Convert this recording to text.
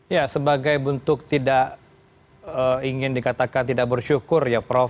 ya sebagai bentuk tidak ingin dikatakan tidak bersyukur ya prof